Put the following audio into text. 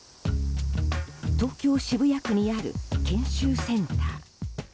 東京・渋谷区にある研修センター。